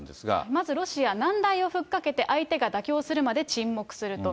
まずロシア、難題をふっかけて相手が妥協するまで沈黙すると。